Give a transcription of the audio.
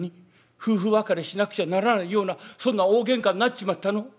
夫婦別れしなくちゃならないようなそんな大喧嘩になっちまったの？